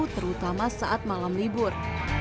terutama saat malam libur